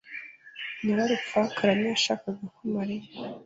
Nyararupfakara ntiyashakaga ko Mariya